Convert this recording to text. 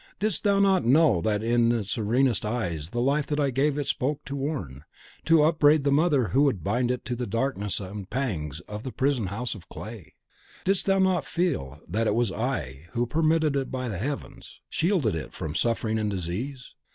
Didst thou not know that in its serenest eyes the life that I gave it spoke to warn, to upbraid the mother who would bind it to the darkness and pangs of the prison house of clay? Didst thou not feel that it was I who, permitted by the Heavens, shielded it from suffering and disease?